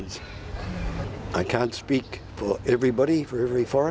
นื่นของความเป็นเป็น